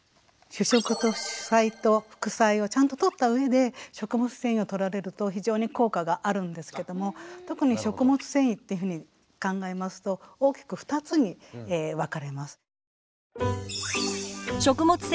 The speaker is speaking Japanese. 主食と主菜と副菜をちゃんととったうえで食物繊維をとられると非常に効果があるんですけども特に食物繊維っていうふうに考えますと大きく２つに分かれます。